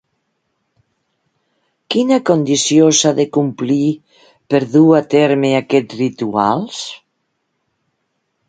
Quina condició s'ha de complir per dur a terme aquests rituals?